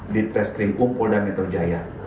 di preskrim kumpul dan mitra jaya